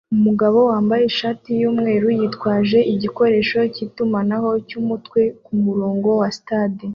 umugabo wambaye ishati yumweru yitwaje igikoresho cyitumanaho cyumutwe kumurongo wa stade